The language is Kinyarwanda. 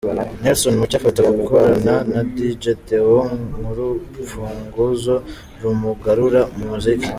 Nelson Mucyo afata gukorana na Dj Theo nk'urufunguzo rumugarura mu muziki.